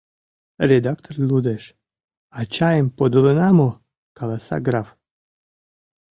Редактор лудеш: «А чайым подылына мо?» — каласа граф.